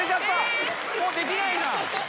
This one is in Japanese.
もうできないじゃん。